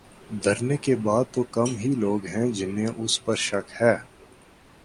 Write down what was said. دھرنے کے بعد تو کم ہی لوگ ہیں جنہیں اس پر شک ہے۔